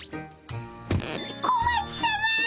小町さま！